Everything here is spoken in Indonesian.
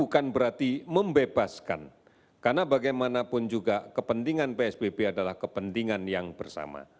kemanapun juga kepentingan psbb adalah kepentingan yang bersama